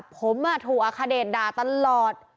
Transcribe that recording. ผมอ่ะถูกอาคเดตด่าตลอด